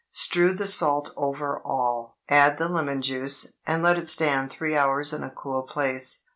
Strew the salt over all, add the lemon juice, and let it stand three hours in a cool place.